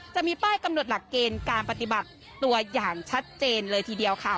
จะมีป้ายกำหนดหลักเกณฑ์การปฏิบัติตัวอย่างชัดเจนเลยทีเดียวค่ะ